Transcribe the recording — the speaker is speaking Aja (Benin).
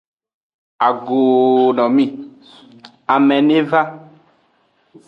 Agooo no mi; ame ne va.